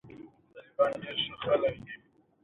د کابل ژمی ډېر سوړ وي.